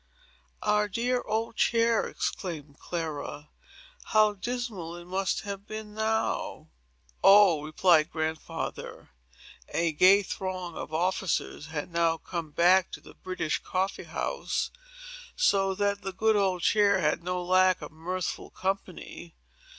"Our dear old chair!" exclaimed Clara. "How dismal it must have been now!" "Oh," replied Grandfather, "a gay throng of officers had now come back to the British Coffee House; so that the old chair had no lack of mirthful company.